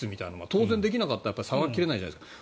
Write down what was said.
当然できなかったらさばき切れないじゃないですか。